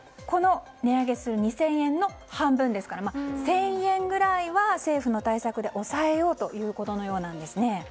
つまり２０００円の半分ですから１０００円ぐらいは政府の対策で抑えようということのようなんですね。